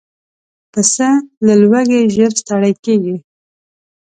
پسه له لوږې ژر ستړی کېږي.